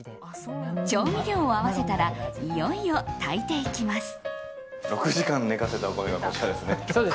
調味料を合わせたらいよいよ炊いていきます。